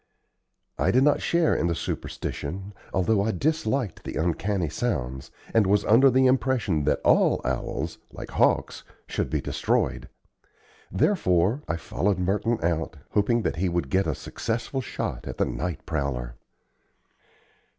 I did not share in the superstition, although I disliked the uncanny sounds, and was under the impression that all owls, like hawks, should be destroyed. Therefore, I followed Merton out, hoping that he would get a successful shot at the night prowler.